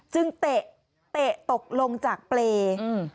จึงเตะตกลงจากเปรย์